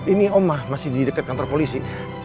ini omah masih di dekat kantor polisi